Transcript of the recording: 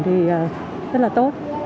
thì rất là tốt